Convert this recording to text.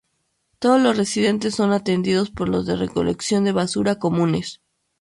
Todos los residentes son atendidos por de recolección de basura comunes.